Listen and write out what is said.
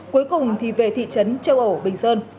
cuối cùng thì về thị trấn châu âu bình sơn